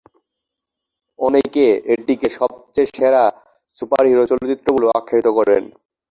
অনেকে এটিকে সবচেয়ে সেরা সুপারহিরো চলচ্চিত্র বলেও আখ্যায়িত করেন।